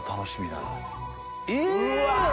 うわ！